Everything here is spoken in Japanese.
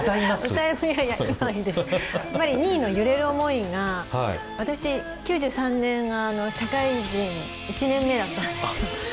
２位の「揺れる想い」が、私９３年は社会人１年目だったんです。